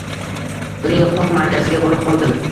Uning qoq markaziga borib qoldim